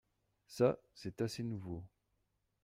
Ça c’est assez nouveau.